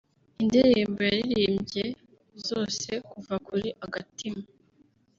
Indirimbo yaririmbye zose kuva kuri ’Agatima’